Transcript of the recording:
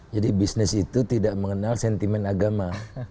jadi bisnis itu tidak mengenal sentimen agama